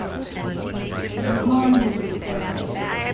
Conv.